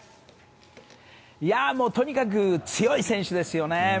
とにかく強い選手ですよね。